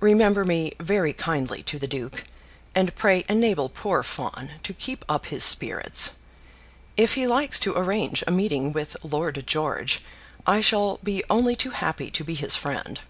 Remember me very kindly to the duke, and pray enable poor Fawn to keep up his spirits. If he likes to arrange a meeting with Lord George, I shall be only too happy to be his friend.